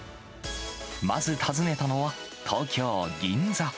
まず訪ねたのは、東京・銀座。